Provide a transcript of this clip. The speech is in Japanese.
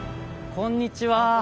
こんにちは。